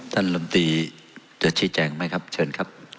ลำตีจะชี้แจงไหมครับเชิญครับ